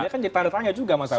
kan jadi tanya tanya juga masalahnya